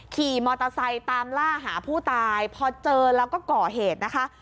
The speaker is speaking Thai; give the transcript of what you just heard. ขี่มอเตอร์ไซค์ตามล่าหาผู้ตายพอเจอแล้วก็ก่อเหตุนะคะ